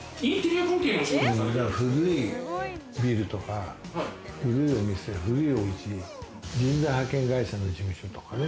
古いビルとか、古いお店、古いおうち、人材派遣会社の事務所とかね。